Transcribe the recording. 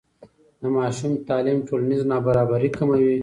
د ماشوم تعلیم ټولنیز نابرابري کموي.